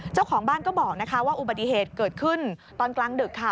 เจ้าของบ้านก็บอกนะคะว่าอุบัติเหตุเกิดขึ้นตอนกลางดึกค่ะ